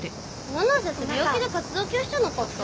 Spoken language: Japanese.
七瀬って病気で活動休止じゃなかった？